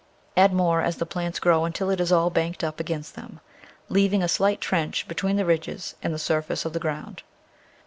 Add more as the plants grow until it is all banked up against them, leaving a slight trench between the ridges and the surface of the ground.